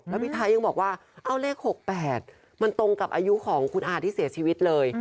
แล้วพี่ไทยยังบอกว่าเอาเลข๖๘มันตรงกับอายุของคุณอาที่เสียชีวิตเลย